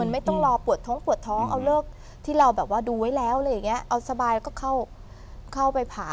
ไม่ต้องรอปวดท้องเอาเลิกที่เราแบบว่าดูไว้แล้วเอาสบายก็เข้าไปผ่า